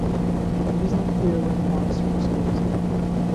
It is not clear when the monastery was closed.